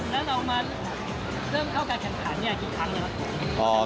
แล้วเรามาเริ่มเข้าการแข่งขันกี่ครั้งนะครับ